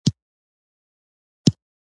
چادري پر سر راغله!